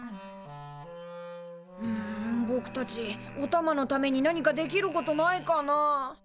んぼくたちおたまのためになにかできることないかなあ？